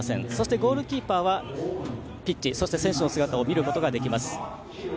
ゴールキーパーはピッチ、そして選手の姿を見ることができます。